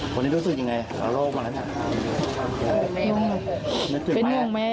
คนนี้รู้สึกยังง่ายทั้งโรคมั้ย